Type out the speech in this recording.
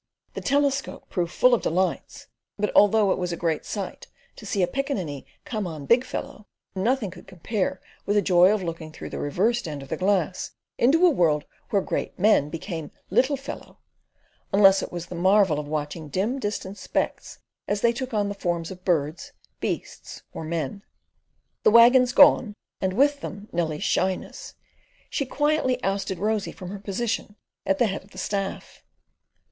The telescope proved full of delights. But although it was a great sight to see a piccaninny "come on big fellow," nothing could compare with the joy of looking through the reversed end of the glass, into a world where great men became "little fellow," unless it were the marvel of watching dim, distant specks as they took on the forms of birds, beasts, or men. The waggons gone, and with them Nellie's shyness, she quietly ousted Rosy from her position at the head of the staff.